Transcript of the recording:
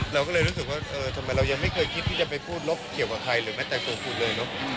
เราก็เลยรู้สึกว่าเออทำไมเรายังไม่เคยคิดที่จะไปพูดลบเกี่ยวกับใครหรือแม้แต่ตัวคุณเลยเนอะ